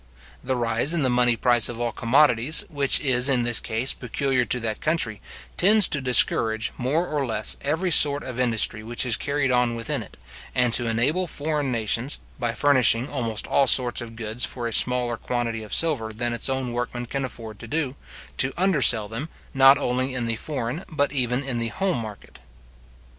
The rise in the money price of all commodities, which is in this case peculiar to that country, tends to discourage more or less every sort of industry which is carried on within it, and to enable foreign nations, by furnishing almost all sorts of goods for a smaller quantity of silver than its own workmen can afford to do, to undersell them, not only in the foreign, but even in the home market.